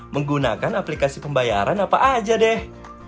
menggunakan aplikasi pembayaran apa aja deh